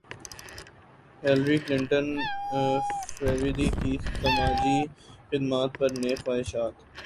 Hillary Clinton فریدی کی سماجی خدمات پر نیک خواہشات